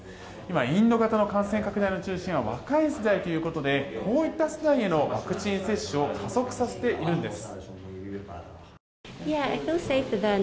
インド型の感染拡大の中心は若い世代ということでこういった世代へのワクチン接種を加速させているんです。